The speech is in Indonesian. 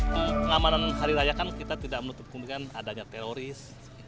pengamanan hari raya kan kita tidak menutup kemungkinan adanya teroris